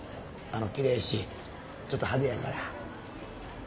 きれいしちょっと派手やから。